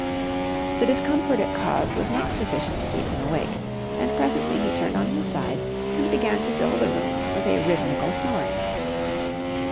The discomfort it caused was not sufficient to keep him awake, and presently he turned on his side and began to fill the room with a rhythmical snoring.